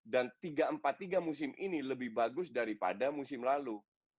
dan tiga empat tiga musim ini lebih bagus daripada musim lalu